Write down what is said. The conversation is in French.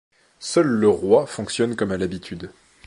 Seul le roi fonctionne comme à l'habitude.